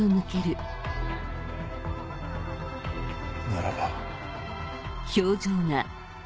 ならば。